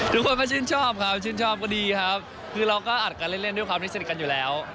ทุกคนก็ชื่นชอบครับชื่นชอบก็ดีครับคือเราก็อัดกันเล่นด้วยความที่สนิทกันอยู่แล้ว